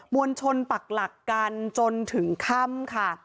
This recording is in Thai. วลชนปักหลักกันจนถึงค่ำค่ะ